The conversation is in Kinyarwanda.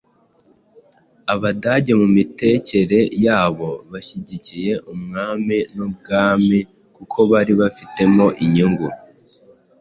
Abadage, mu mitegekere yabo, bashyigikiye umwami n'ubwami kuko bari babifitemo inyungu